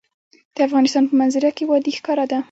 د افغانستان په منظره کې وادي ښکاره ده.